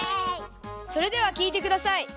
それではきいてください。